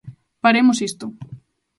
Paremos isto.